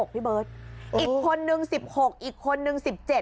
พี่เบิร์ตอีกคนนึง๑๖อีกคนนึง๑๗